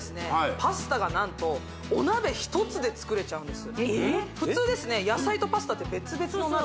パスタが何とお鍋１つで作れちゃうんです